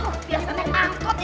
aduh biasa naik angkot